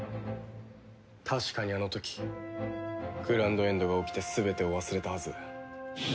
確かにあの時グランドエンドが起きて全てを忘れたはず。